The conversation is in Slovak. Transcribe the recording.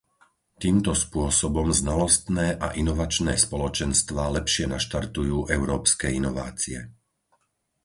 Týmto spôsobom znalostné a inovačné spoločenstvá lepšie naštartujú európske inovácie.